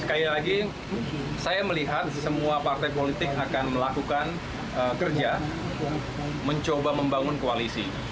sekali lagi saya melihat semua partai politik akan melakukan kerja mencoba membangun koalisi